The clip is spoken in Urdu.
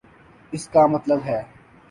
اس کا مطلب ہے۔